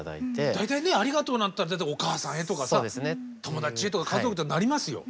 大体ねありがとうなんて言ったらお母さんへとかさ友達へとか家族へとかなりますよ。